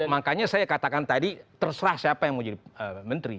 makanya saya katakan tadi terserah siapa yang mau jadi menteri